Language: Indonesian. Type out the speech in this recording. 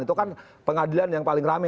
itu kan pengadilan yang paling rame